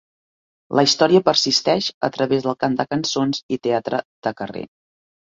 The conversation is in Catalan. La història persisteix a través del cant de cançons i teatre de carrer.